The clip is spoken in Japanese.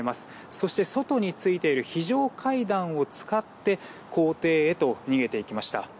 そして、外についている非常階段を使って校庭へと逃げていきました。